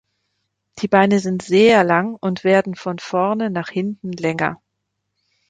Die Beine sind sehr lang und werden von vorne nach hinten länger.